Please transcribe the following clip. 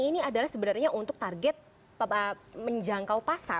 ini adalah sebenarnya untuk target menjangkau pasar